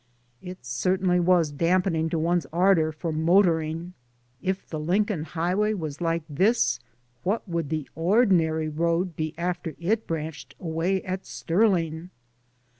It certainly was dampening to one's ardor for motoring. If the Lincoln Highway was like this what would the ordinary road be after it branched away at Sterling!